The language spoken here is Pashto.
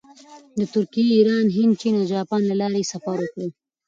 د ترکیې، ایران، هند، چین او جاپان له لارې یې سفر وکړ.